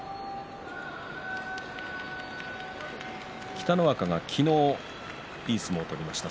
北の若が昨日、いい相撲を取りました。